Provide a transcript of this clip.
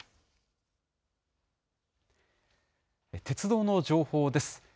鉄道の情報です。